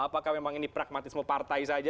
apakah memang ini pragmatisme partai saja